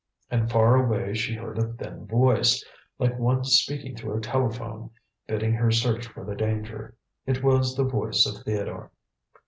And far away she heard a thin voice, like one speaking through a telephone, bidding her search for the danger. It was the voice of Theodore.